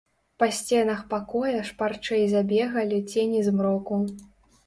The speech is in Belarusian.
Па сценах пакоя шпарчэй забегалі цені змроку.